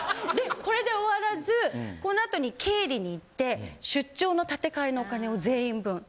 でこれで終わらずこのあとに経理に行って出張の立て替えのお金を全員分。